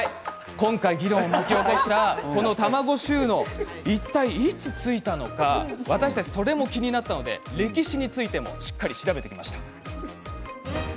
今回議論を巻き起こした卵収納、いったいいつついたのか私たちそれも気になったので歴史についてもしっかり調べてきました。